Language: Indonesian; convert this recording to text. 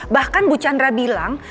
bahkan bu chandra bilang